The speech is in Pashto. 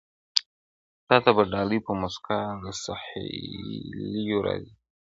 تا ته به ډلي په موسکا د سهیلیو راځي!.